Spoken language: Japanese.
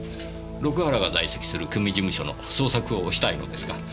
六原が在籍する組事務所の捜索をしたいのですが。